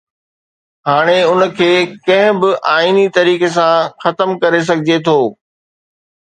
هاڻي ان کي ڪنهن به آئيني طريقي سان ختم ڪري سگهجي ٿو.